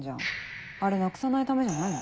あれなくさないためじゃないの？